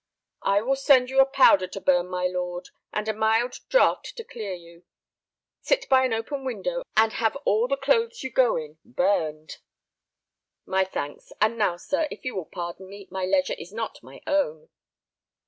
"I will send you a powder to burn, my lord, and a mild draught to clear you. Sit by an open window, and have all the clothes you go in burned." "My thanks. And now, sir, if you will pardon me, my leisure is not my own."